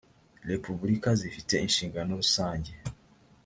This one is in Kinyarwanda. repubulika zifite inshingano rusange